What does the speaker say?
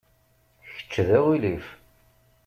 Kečč d aɣilif.